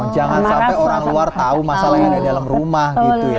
jangan sampai orang luar tahu masalah yang ada di dalam rumah gitu ya